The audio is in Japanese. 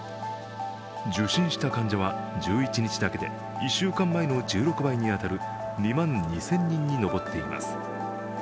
受診した患者は１１日だけで１週間前の１６倍に当たる２万２０００人に上っています。